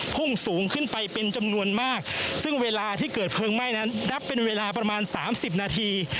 พุ่งสูงขึ้นไปเป็นจำนวนมากซึ่งเวลาที่เกิดเพลิงไหม้นั้นนับเป็นเวลาประมาณสามสิบนาที